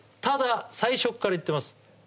ただ最初から言ってます